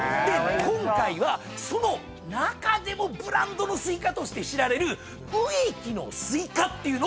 今回はその中でもブランドのスイカとして知られる植木のスイカっていうのをご用意しました。